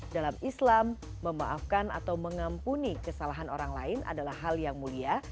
dalam islam memaafkan atau mengampuni kesalahan orang lain adalah hal yang mulia